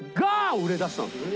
売れ出したんですよ。